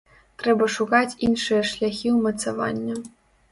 Трэба шукаць іншыя шляхі ўмацавання.